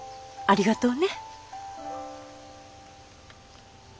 ありがとう。